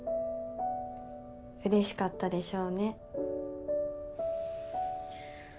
嬉しかったでしょうね。